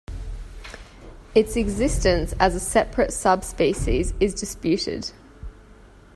Its existence as a separate subspecies is disputed.